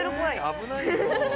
危ないよ。